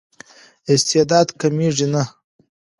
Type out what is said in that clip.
استعداد کمېږي نه.